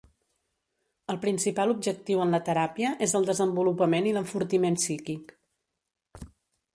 El principal objectiu en la teràpia és el desenvolupament i l'enfortiment psíquic.